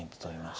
はい。